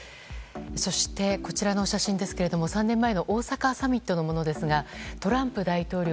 そして、こちらの写真ですが３年前の大阪サミットのものですがトランプ大統領